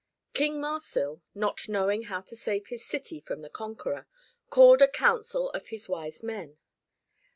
King Marsil, not knowing how to save his city from the conqueror, called a council of his wise men.